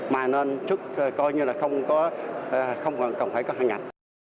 mà nên sức coi như là không cần phải có hạn ngạch